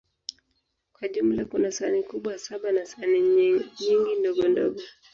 Kwa jumla, kuna sahani kubwa saba na sahani nyingi ndogondogo.